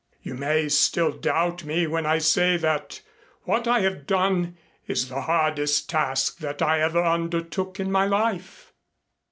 You may still doubt me when I say that what I have done is the hardest task that I ever undertook in my life.